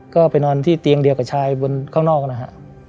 ก็ไปนอนที่เตียงเดียวกับชายบนข้างนอกนะฮะ